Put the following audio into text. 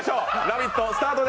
「ラヴィット！」